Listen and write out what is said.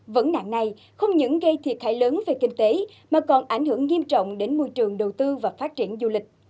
vấn nạn này không những gây thiệt hại lớn về kinh tế mà còn ảnh hưởng nghiêm trọng đến môi trường đầu tư và phát triển du lịch